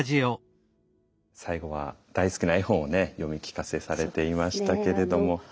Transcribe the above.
最後は大好きな絵本をね読み聞かせされていましたけれども。